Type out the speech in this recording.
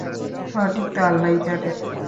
সঠিক ত আল্লাহই জানেন।